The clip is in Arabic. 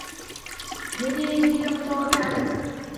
هذه هدية متواضعة لك.